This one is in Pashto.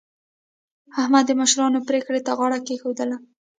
احمد د مشرانو پرېکړې ته غاړه کېښودله.